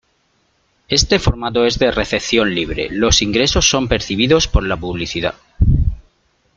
Este formato es de recepción libre los ingresos son percibidos por la publicidad.